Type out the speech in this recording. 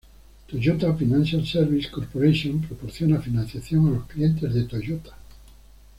Toyota Financial Services Corporation proporciona financiación a los clientes de Toyota.